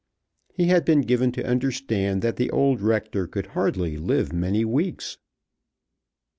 He had been given to understand that the old rector could hardly live many weeks.